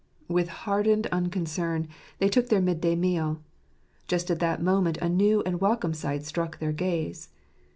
With hardened unconcern they took their midday meal. Just at that moment a new and welcome sight struck their gaze.